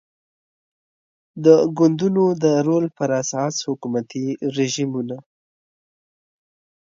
د ګوندونو د رول پر اساس حکومتي رژیمونه